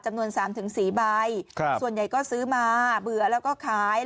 โอ้ยโอ้ยโอ้ยโอ้ยโอ้ยโอ้ย